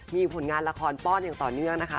มีผลงานละครป้อนอย่างต่อเนื่องนะคะ